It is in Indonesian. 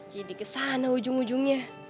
jadi kesana ujung ujungnya